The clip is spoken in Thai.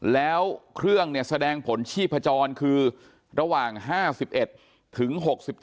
แล้วเครื่องแสดงผลชีพจรคือระหว่าง๕๑ถึง๖๗